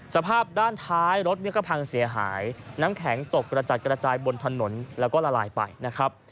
สภาพด้านท้ายรถเนี่ยก็พังเสียหายน้ำแข็งตกกระจัดกระจายบนถนนแล้วก็ละลายไปนะครับ